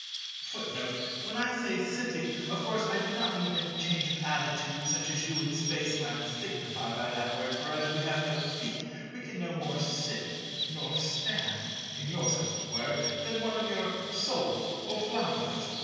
When I say "sitting," of course I do not mean any change of attitude such as you in Spaceland signify by that word; for as we have no feet, we can no more "sit" nor "stand" (in your sense of the word) than one of your soles or flounders.